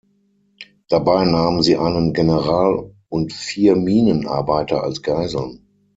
Dabei nahmen sie einen General und vier Minenarbeiter als Geiseln.